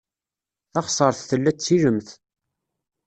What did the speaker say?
Taɣsert tella d tilemt.